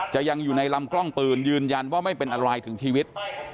ยังอยู่ในลำกล้องปืนยืนยันว่าไม่เป็นอะไรถึงชีวิต